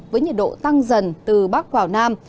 với nhiệt độ tăng dần từ bắc vào nam